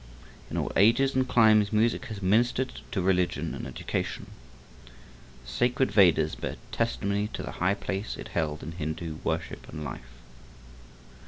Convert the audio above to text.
In all ages and climes music has ministered to religion and education. The sacred Vedas bear testimony to the high place it held in Hindu worship and life.